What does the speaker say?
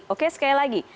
oke sekali lagi